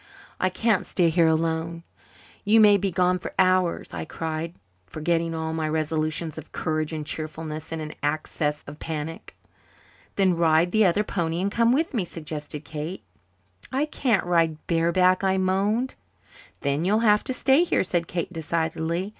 "I can't stay here alone. You may be gone for hours," I cried, forgetting all my resolutions of courage and cheerfulness in an access of panic. "Then ride the other pony and come with me," suggested Kate. "I can't ride bareback," I moaned. "Then you'll have to stay here," said Kate decidedly.